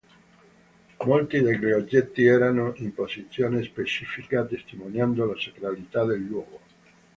Molti degli oggetti erano in posizione specifica, testimoniando la sacralità del luogo.